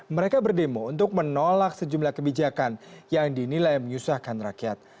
mereka berdemo untuk menolak sejumlah kebijakan yang dinilai menyusahkan rakyat